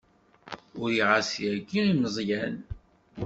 Uriɣ-as yagi i Meẓyan.